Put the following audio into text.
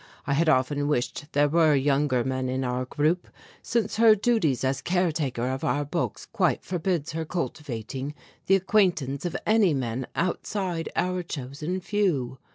I had often wished there were younger men in our group, since her duties as caretaker of our books quite forbids her cultivating the acquaintance of any men outside our chosen few.